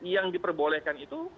yang diperbolehkan itu